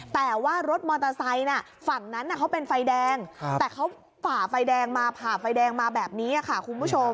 แต่ว่ารถมอเตอร์ไซค์ฝั่งนั้นเขาเป็นไฟแดงแต่เขาฝ่าไฟแดงมาผ่าไฟแดงมาแบบนี้ค่ะคุณผู้ชม